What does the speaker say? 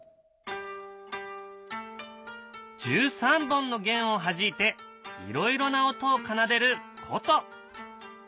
１３本の弦をはじいていろいろな音を奏でること。